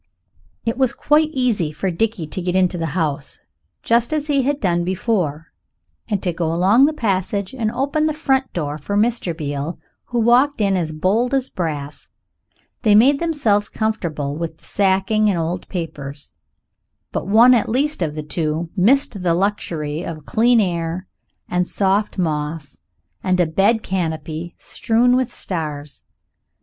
It was quite easy for Dickie to get into the house, just as he had done before, and to go along the passage and open the front door for Mr. Beale, who walked in as bold as brass. They made themselves comfortable with the sacking and old papers but one at least of the two missed the luxury of clean air and soft moss and a bed canopy strewn with stars. Mr.